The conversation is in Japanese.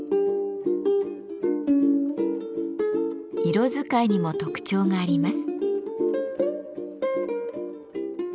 色使いにも特徴があります。